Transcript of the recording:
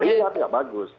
ini artinya bagus